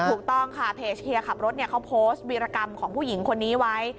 ถูกต้องค่ะเพจเฮียขับรถเขาโพสต์วีรกรรมของผู้หญิงคนนี้ไว้